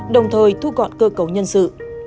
đồng thời thu gọn cơ cấu nhân sự